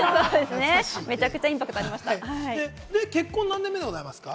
結婚は何年目でございますか？